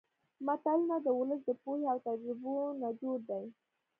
متلونه د ولس د پوهې او تجربو نچوړ دي